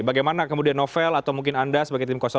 bagaimana kemudian novel atau mungkin anda sebagai tim kosong